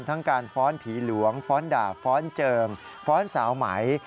ทั้งการฟ้อนผีหลวงฟ้อนดาบฟ้อนเจิมฟ้อนสาวไหม